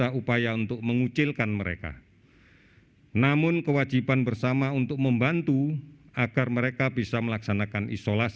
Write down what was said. atau negatif namun tidak negatif dari rapid test